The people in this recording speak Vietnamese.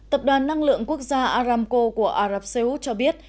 tập đoàn năng lượng quốc gia aramco của ả rập xê ú cho biết